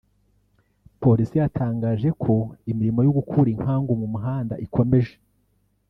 Polisi yatangaje ko imirimo yo gukura inkangu mu muhanda ikomeje